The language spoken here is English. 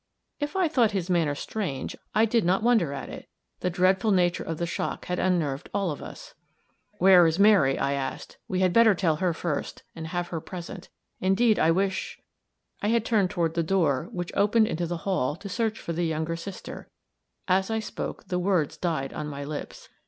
If I thought his manner strange, I did not wonder at it the dreadful nature of the shock had unnerved all of us. "Where is Mary?" I asked; "we had better tell her first, and have her present. Indeed, I wish " I had turned toward the door, which opened into the hall, to search for the younger sister, as I spoke; the words died on my lips.